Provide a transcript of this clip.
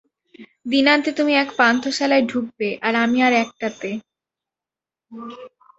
দিনান্তে তুমি এক পান্থশালায় ঢুকবে আর আমি আর-একটাতে?